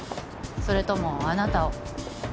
それともあなたを？